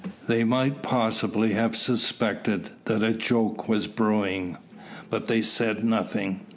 They might possibly have suspected that a joke was brewing, but they said nothing.